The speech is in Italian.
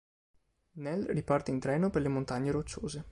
Nell riparte in treno per le Montagne Rocciose.